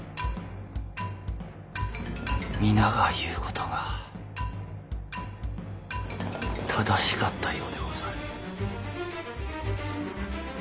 皆が言うことが正しかったようでござる。